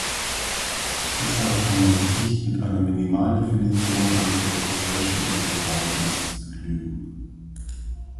Deshalb kann man sich nicht mit einer Minimaldefinition eines europäischen Universaldienstes begnügen.